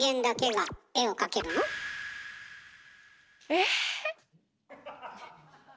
え？